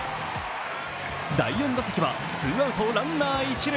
第４打席はツーアウトランナー一塁。